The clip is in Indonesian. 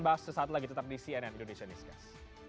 bahas sesaat lagi tetap di cnn indonesian discuss